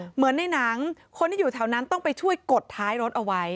เหมือนในหนังคนที่อยู่แถวนั้นต้องไปช่วยกดท้ายรถเอาไว้